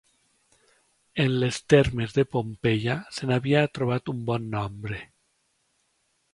En les termes de Pompeia se n'havia trobat un bon nombre.